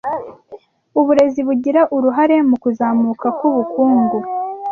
uburezi bugira uruhare mukuzamuka kwubukungu